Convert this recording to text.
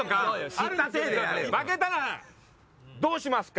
負けたらどうしますか？